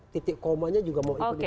titik komanya juga mau ikut ikutan